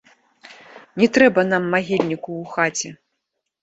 Не трэба нам магільніку ў хаце!